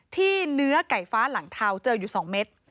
เนื้อไก่ฟ้าหลังเทาเจออยู่๒เม็ด